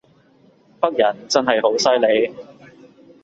北人真係好犀利